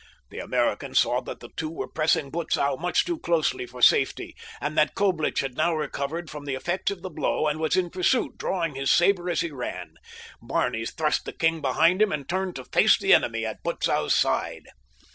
The American saw that the two were pressing Butzow much too closely for safety and that Coblich had now recovered from the effects of the blow and was in pursuit, drawing his saber as he ran. Barney thrust the king behind him and turned to face the enemy, at Butzow's side.